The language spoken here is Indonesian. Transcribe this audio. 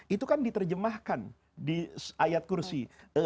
itu kan diterjemahkan di ayat kursi